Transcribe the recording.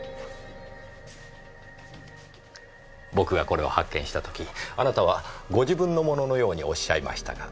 僕がこれを発見した時あなたはご自分のもののようにおっしゃいましたが。